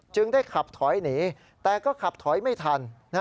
ได้ขับถอยหนีแต่ก็ขับถอยไม่ทัน